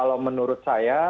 kalau menurut saya